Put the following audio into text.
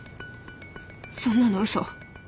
そんなの嘘。